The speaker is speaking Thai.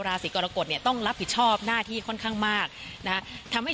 ได้เริ่มต้นชีวิตเหมือนกับรีสตาร์ทใหม่